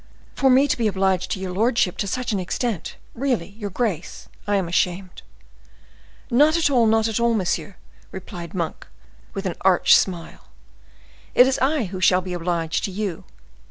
"For me to be obliged to your lordship to such an extent! Really, your grace, I am ashamed." "Not at all, not at all, monsieur," replied Monk, with an arch smile; "it is I who shall be obliged to you.